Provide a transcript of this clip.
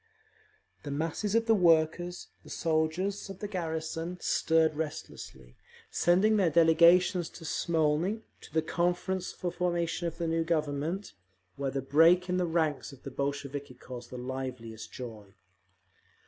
The masses of the workers, the soldiers of the garrison, stirred restlessly, sending their delegations to Smolny, to the Conference for Formation of the New Government, where the break in the ranks of the Bolsheviki caused the liveliest joy.